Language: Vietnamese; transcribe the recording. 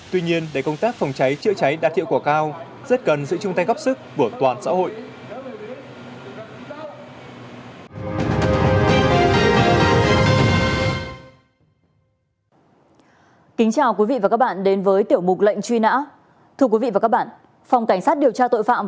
tuy nhiên để công tác phòng cháy chữa cháy đạt hiệu quả cao rất cần sự chung tay góp sức của toàn xã hội